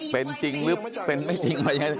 เป็นจริงหรือเป็นไม่จริงว่าอย่างนี้